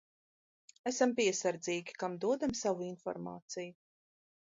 Esam piesardzīgi, kam dodam savu informāciju.